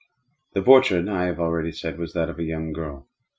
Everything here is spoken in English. The portrait, I have already said, was that of a young girl.